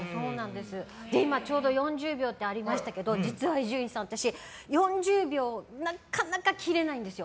ちょうど４０秒ってありましたけど、実は伊集院さん４０秒、なかなか切れないんです。